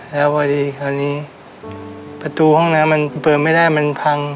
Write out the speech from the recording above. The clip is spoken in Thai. แล้วพอดีคราวนี้ประตูห้องน้ำมันเปิดไม่ได้มันพัง